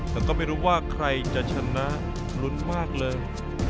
แต่ก็ไม่รู้ว่าใครจะชนะรุ้นมากเลย